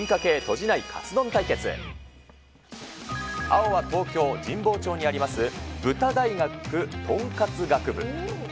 青は東京・神保町にあります豚大学とんかつ学部。